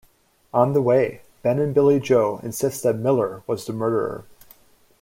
On the way, Ben and Billy Joe insist that Miller was the murderer.